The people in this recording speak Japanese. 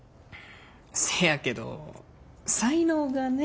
せやけど才能がね。